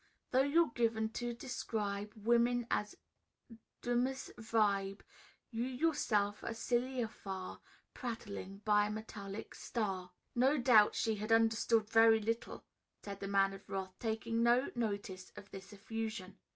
Though you're given to describe Woman as a dummes Weib. You yourself are sillier far, Prattling, bimetallic star!" "No doubt she had understood very little," said the Man of Wrath, taking no notice of this effusion.